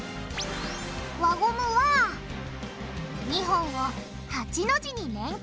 輪ゴムは２本を８の字に連結。